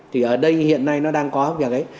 thì ở đây hiện nay nó đang có việc ấy